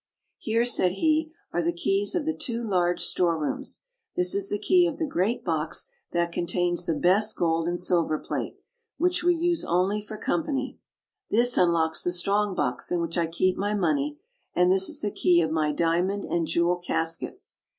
"Here," said he, "are the keys of the two large store rooms; this is the key of the great box that contains the best gold and silver plate, which we use only for com pany; this unlocks the strong box in which I keep my money, and this is the key of my diamond and jewel caskets.